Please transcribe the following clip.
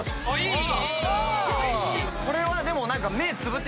これはでも何か。